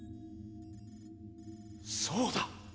そうだ！